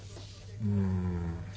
うん。